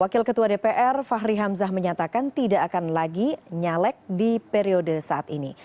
wakil ketua dpr fahri hamzah menyatakan tidak akan lagi nyalek di periode saat ini